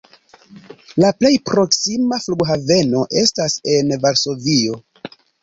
La plej proksima flughaveno estas en Varsovio.